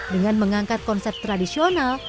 dengan mengangkat konsep tradisional